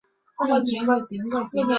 黄金肥蛛为园蛛科肥蛛属的动物。